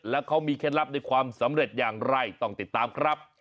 แล้วเขามีเคล็ดลับในความสำเร็จอย่างไรต้องติดตามครับ